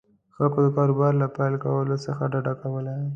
خلکو د کاروبار له پیل کولو څخه ډډه کوله.